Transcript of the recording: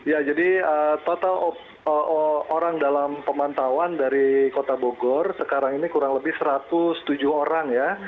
ya jadi total orang dalam pemantauan dari kota bogor sekarang ini kurang lebih satu ratus tujuh orang ya